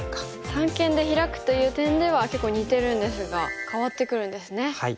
三間でヒラくという点では結構似てるんですが変わってくるんですね。